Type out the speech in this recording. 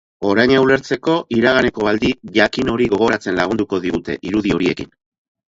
Oraina ulertzeko iraganeko aldi jakin hori gogoratzen lagunduko digute irudi horiekin.